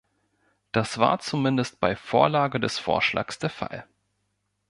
Das war zumindest bei Vorlage des Vorschlags der Fall.